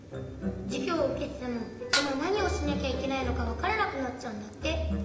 じゅぎょうをうけててもいまなにをしなきゃいけないのかわからなくなっちゃうんだって。